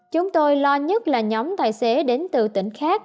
chúng tôi lo nhất là nhóm tài xế đến từ tỉnh khác